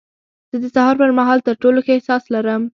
زه د سهار پر مهال تر ټولو ښه احساس لرم.